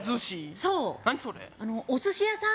そう何それお寿司屋さん